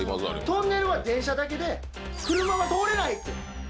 トンネルは電車だけで、車は通れ